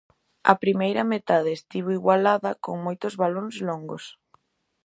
A primeira metade estivo igualada, con moitos balóns longos.